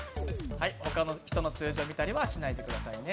他の人の数字を見たりはしないでくださいね。